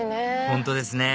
本当ですね